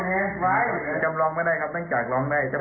ร้องอาจจะยังบ๊ายบายหน่อยครับครับยังร้องไม่ได้ครับ